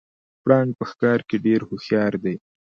پړانګ په ښکار کې ډیر هوښیار دی